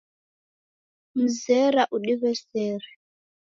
Mzera udiw'esere